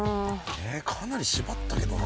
えかなり縛ったけどな。